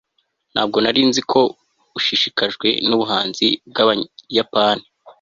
ntabwo nari nzi ko ushishikajwe nubuhanzi bwabayapani